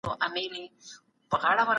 اسلامي نظام د ټولو وګړو لپاره دی.